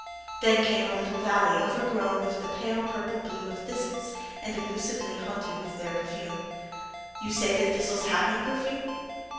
Then came a little valley overgrown with the pale purple bloom of thistles and elusively haunted with their perfume. You say that thistles have no perfume?